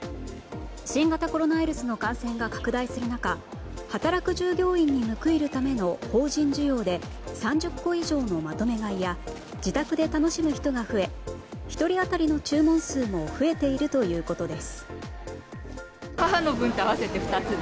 新型コロナウイルスの感染が拡大する中働く従業員に報いるための法人需要で３０個以上のまとめ買いや自宅で楽しむ人が増え１人当たりの注文数も増えているということです。